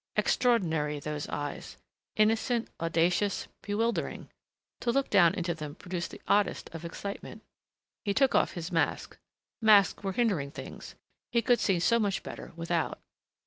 Extraordinary, those eyes. Innocent, audacious, bewildering.... To look down into them produced the oddest of excitement. He took off his mask. Masks were hindering things he could see so much better without.